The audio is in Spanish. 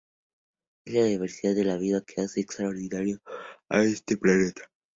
Es la diversidad de vida la que hace extraordinario a este planeta.